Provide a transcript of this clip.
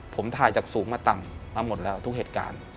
ผมถ่ายจากสูงมาต่ำมาหมดแล้วทุกเหตุการณ์